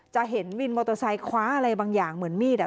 จะเห็นวินมอเตอร์ไซค์คว้าอะไรบางอย่างเหมือนมีดอ่ะ